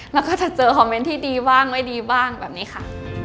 แล้วก็จะเจอคอมเมนต์ที่ดีบ้างไม่ดีบ้างแบบนี้ค่ะ